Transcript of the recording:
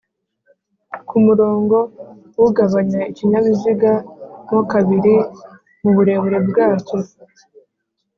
ku murongo ugabanya ikinyabiziga mo kabiri mu burebure bwacyo.